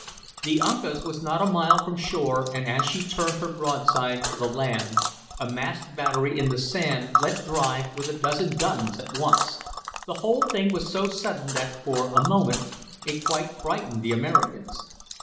The Uncas was not a mile from shore, and as she turned her broadside to the land a masked battery in the sand let drive with a dozen guns at once. The whole thing was so sudden that for a moment it quite frightened the Americans.